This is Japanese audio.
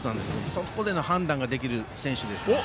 そこでの判断ができる選手ですので。